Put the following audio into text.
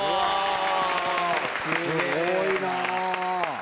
すごいな。